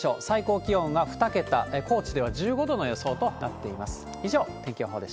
最高気温が２桁、高知では１５度の予想となっています。